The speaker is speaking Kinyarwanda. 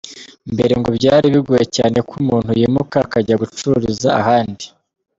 Mbere, ngo byari bigoye cyane ko umuntu yimuka akajya gucururiza ahandi.